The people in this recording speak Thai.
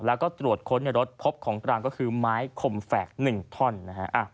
แล้วก็ตรวจค้นในรถพบของกลางก็คือไม้คมแฝก๑ท่อนนะฮะ